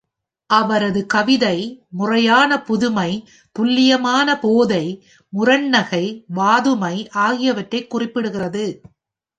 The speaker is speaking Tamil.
அவரது கவிதை முறையான புதுமை, துல்லியமான போதை, முரண்நகை, வாதுமை ஆகியவற்றைக் குறிப்பிடுகிறது.